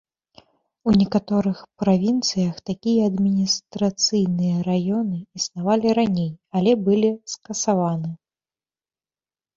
У некаторых правінцыях такія адміністрацыйныя раёны існавалі раней, але былі скасаваны.